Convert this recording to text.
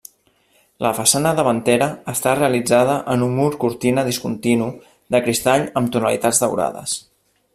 La façana davantera està realitzada en un mur cortina discontinu de cristall amb tonalitats daurades.